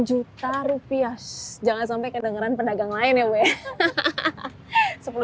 sepuluh juta rupiah jangan sampai kedengeran pedagang lain ya bu